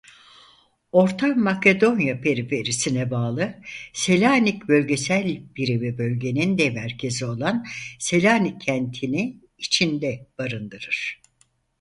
Orta Makedonya periferisine bağlı Selânik bölgesel birimi bölgenin de merkezi olan Selanik kentini içinde barındırır.